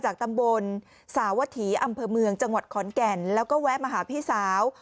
ตำบลสาวถีอำเภอเมืองจังหวัดขอนแก่นแล้วก็แวะมาหาพี่สาว